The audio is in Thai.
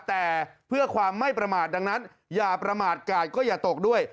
แต่เพื่อความไม่ประมาทดังนั้นอย่าประมาทกาดก็อย่าตกด้วย